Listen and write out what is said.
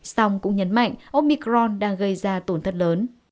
song cũng nhấn mạnh omicron đang gây ra tổn thất lớn